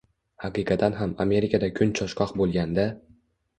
Haqiqatan ham, Amerikada kun choshgoh bo‘lganda